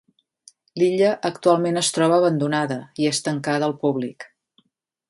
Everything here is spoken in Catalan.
L'illa actualment es troba abandonada, i és tancada al públic.